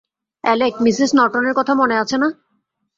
Alec, Mrs নরটনের কথা মনে আছে না?